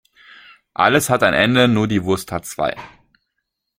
Alles hat ein Ende, nur die Wurst hat zwei.